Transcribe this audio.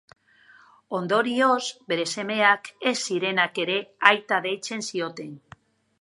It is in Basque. Ondorioz, bere semeak ez zirenak ere aita deitzen zioten.